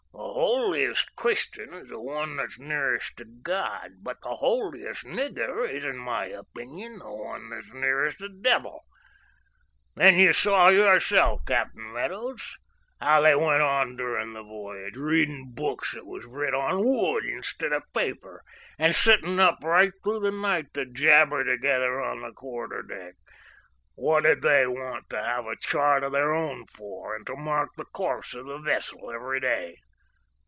"The holiest Christian is the one that's nearest God, but the holiest nigger is, in my opinion, the one that's nearest the devil. Then you saw yourself, Captain Meadows, how they went on during the voyage, reading books that was writ on wood instead o' paper, and sitting up right through the night to jabber together on the quarter deck. What did they want to have a chart of their own for and to mark the course of the vessel every day?"